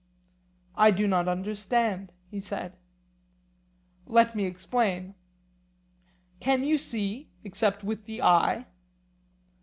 I do not understand, he said. Let me explain: Can you see, except with the eye?